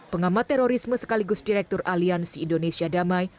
pengamat terorisme sekaligus direktur aliansi indonesia damai